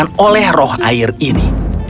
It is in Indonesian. yang akan dikatakan oleh roh air ini